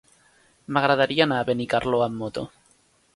M'agradaria anar a Benicarló amb moto.